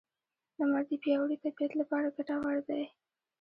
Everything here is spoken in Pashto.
لمر د پیاوړې طبیعت لپاره ګټور دی.